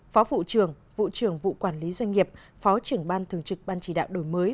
phó vụ trưởng vụ trưởng vụ quản lý doanh nghiệp phó trưởng ban thường trực ban chỉ đạo đổi mới